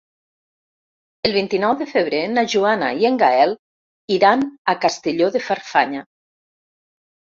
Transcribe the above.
El vint-i-nou de febrer na Joana i en Gaël iran a Castelló de Farfanya.